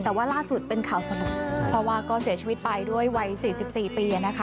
แต่ว่าล่าสุดเป็นข่าวสนุกเพราะว่าก็เสียชีวิตไปด้วยวัย๔๔ปีนะคะ